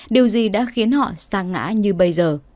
điều gì đã khiến họ xa ngã như bây giờ